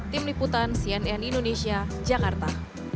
tim liputan cnn indonesia jakarta